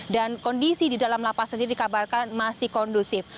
dan kondisi di dalam lapas sendiri dikabarkan masih kondusif